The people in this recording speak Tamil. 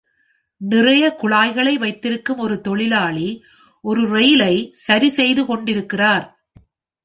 நிறைய குழாய்களை வைத்திருக்கும் ஒரு தொழிலாளி ஒரு rail-ஐ சரிசெய்துகொண்டிருக்கிறார்.